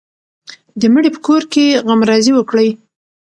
د مړي په کور کې غمرازي وکړئ.